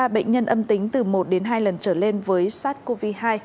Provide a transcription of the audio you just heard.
ba mươi ba bệnh nhân âm tính từ một đến hai lần trở lên với sars cov hai